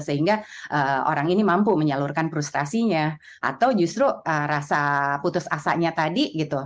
sehingga orang ini mampu menyalurkan frustrasinya atau justru rasa putus asanya tadi gitu